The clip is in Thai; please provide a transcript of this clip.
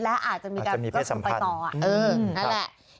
และอาจจะมีการกระสุนไปต่อนั่นแหละครับอาจจะมีเพศสัมพันธ์